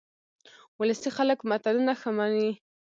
ولسي خلک متلونه ښه مني